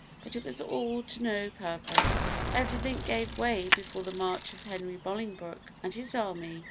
But it was all to no purpose. Everything gave way before the march of Henry Bolingbroke and his army.